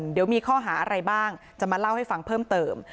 เดี๋ยวมีข้อหาอะไรบ้างจะมาเล่าให้ฟังเพิ่มเติม